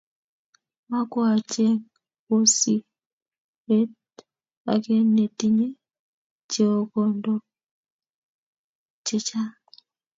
Makwoo acheng bosihet ake netinye cheokondok che chang